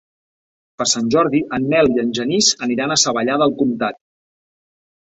Per Sant Jordi en Nel i en Genís aniran a Savallà del Comtat.